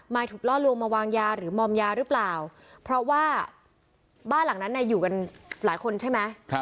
ถูกล่อลวงมาวางยาหรือมอมยาหรือเปล่าเพราะว่าบ้านหลังนั้นอยู่กันหลายคนใช่ไหม